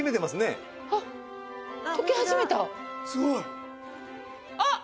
すごい！あっ！